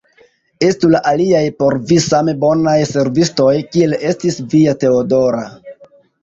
Estu la aliaj por vi same bonaj servistoj, kiel estis via Teodora!